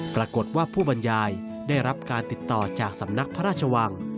ปรากฏว่าผู้บรรยายได้รับการติดต่อจากสำนักพระราชวัง